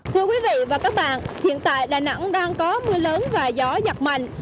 thưa quý vị và các bạn hiện tại đà nẵng đang có mưa lớn và gió giật mạnh